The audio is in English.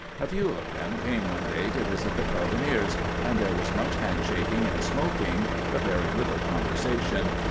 A few of them came one day to visit the carbineers, and there was much handshaking and smoking, but very little conversation.